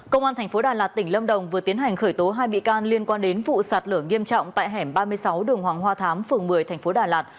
công an thành phố đà lạt tỉnh lâm đồng vừa tiến hành khởi tố hai bị can liên quan đến vụ sạt lở nghiêm trọng tại hẻm ba mươi sáu đường hoàng hoa thám phường một mươi thành phố đà lạt